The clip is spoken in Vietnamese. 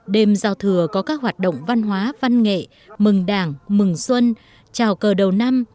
đêm giao thừa có các hoạt động văn hóa văn nghệ mừng đảng mừng xuân chào cờ đầu năm